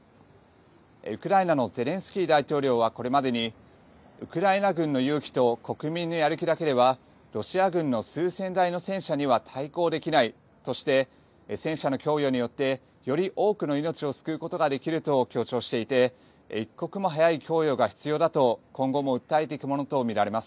ウクライナのゼレンスキー大統領はこれまでにウクライナ軍の勇気と国民のやる気だけはロシア軍の数千台の戦車には対抗できないとして戦車の供与によって、より多くの命を救うことができると強調していて一刻も早い供与が必要だと今後も訴えていくものと見られます。